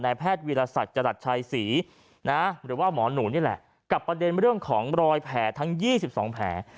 แพทย์วีรศักดิ์จรัสชัยศรีนะหรือว่าหมอหนูนี่แหละกับประเด็นเรื่องของรอยแผลทั้ง๒๒แผล